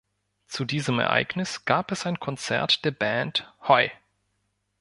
Zu diesem Ereignis gab es ein Konzert der Band "Hoi!